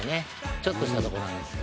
ちょっとしたとこなんです。